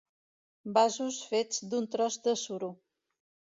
Vasos fets d'un tros de suro.